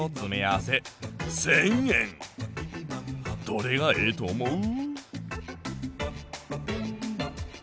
どれがええとおもう？